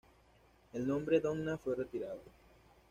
El nombre Donna fue retirado.